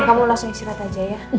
kamu langsung istirahat aja ya